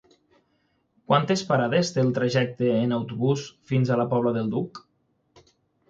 Quantes parades té el trajecte en autobús fins a la Pobla del Duc?